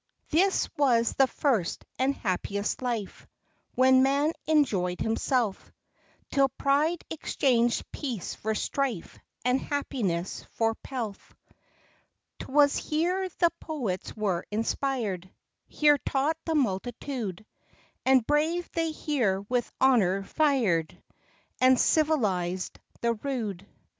This was the first and happiest life, When man enjoy'd himself, Till pride exchanged peace for strife, And happiness for pelf. 'T was here the poets were inspir'd Here taught the multitude ; And brave they here with honor fir'd And civilized the rude.